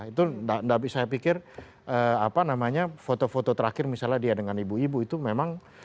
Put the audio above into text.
itu saya pikir apa namanya foto foto terakhir misalnya dia dengan ibu ibu itu memang